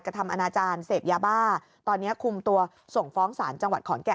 กระทำอนาจารย์เสพยาบ้าตอนนี้คุมตัวส่งฟ้องศาลจังหวัดขอนแก่น